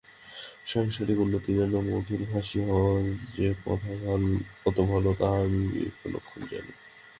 সাংসারিক উন্নতির জন্য মধুরভাষী হওয়া যে কত ভাল, তাহা আমি বিলক্ষণ জানি।